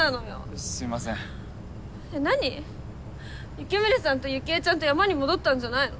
ユキムネさんとユキエちゃんと山に戻ったんじゃないの？